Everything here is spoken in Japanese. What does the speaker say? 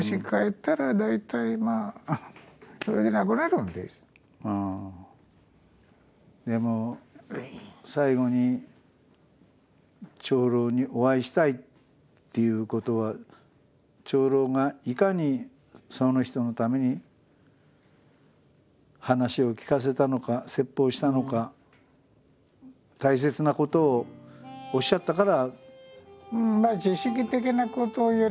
時々でも最後に長老にお会いしたいっていうことは長老がいかにその人のために話を聞かせたのか説法したのか大切なことをおっしゃったから。